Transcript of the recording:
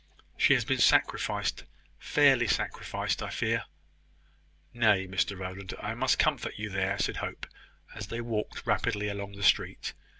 She has been sacrificed fairly sacrificed, I fear." "Nay, Mr Rowland, I must comfort you there," said Hope, as they walked rapidly along the street.